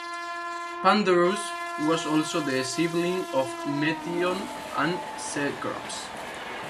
Pandorus was also the sibling of Metion and Cecrops.